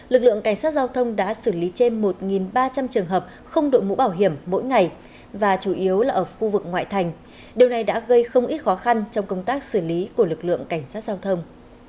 lực lượng cảnh sát giao thông đã xử lý trên một ba trăm linh trường hợp không đội mũ bảo hiểm mỗi ngày và chủ yếu là ở khu vực ngoại thành điều này đã gây không ít khó khăn trong công tác xử lý của lực lượng cảnh sát giao thông